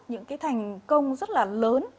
những cái thành công rất là lớn